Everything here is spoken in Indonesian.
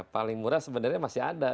paling murah sebenarnya masih ada